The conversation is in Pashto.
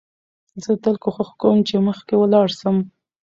زه تل کوښښ کوم، چي مخکي ولاړ سم.